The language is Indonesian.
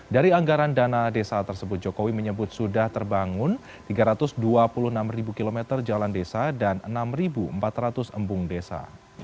dari anggaran dana desa tersebut jokowi menyebut sudah terbangun tiga ratus dua puluh enam km jalan desa dan enam empat ratus embung desa